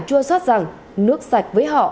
chua suất rằng nước sạch với họ